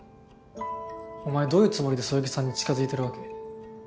お前どういうつもりでそよぎさんに近づいてるわけ？